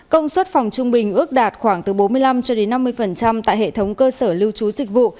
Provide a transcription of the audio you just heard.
công suất phòng trung bình ước đạt khoảng từ bốn mươi năm cho đến năm mươi tại hệ thống cơ sở lưu trú dịch vụ